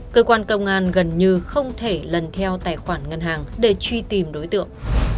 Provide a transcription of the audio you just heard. cơ quan công an gần như không thể lần theo tài khoản ngân hàng để truy tìm đối tượng